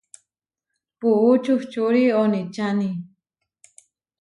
Puú čuhčúri oničáni.